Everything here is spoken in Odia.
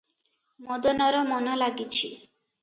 ମଦନର ମନ ଲାଗିଛି ।